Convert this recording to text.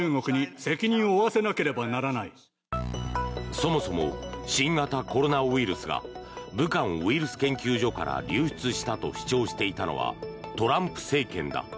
そもそも新型コロナウイルスが武漢ウイルス研究所から流出したと主張していたのはトランプ政権だ。